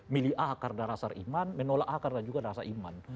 milih akar dan rasa iman menolak akar dan juga rasa iman